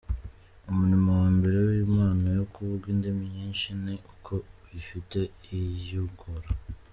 Umurimo wa mbere w’impano yo kuvuga indimi nyinshi ni uko uyifite yiyungura.